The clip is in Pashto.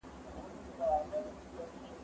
زه پرون ځواب وليکه!.